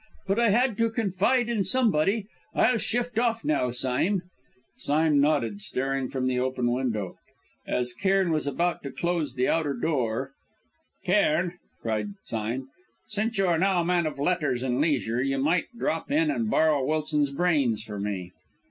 But I had to confide in somebody. I'll shift off now, Sime." Sime nodded, staring from the open window. As Cairn was about to close the outer door: "Cairn," cried Sime, "since you are now a man of letters and leisure, you might drop in and borrow Wilson's brains for me."